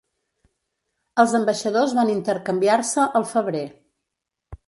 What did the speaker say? Els ambaixadors van intercanviar-se el febrer.